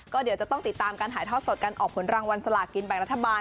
ก็เดี๋ยวจะต้องติดตามการถ่ายทอดสดการออกผลรางวัลสลากินแบ่งรัฐบาล